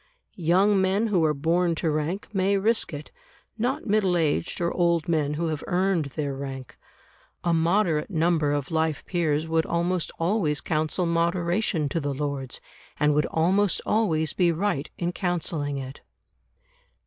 Young men who are born to rank may risk it, not middle aged or old men who have earned their rank. A moderate number of life peers would almost always counsel moderation to the Lords, and would almost always be right in counselling it.